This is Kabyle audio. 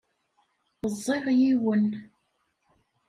Ẓẓiɣ yiwen.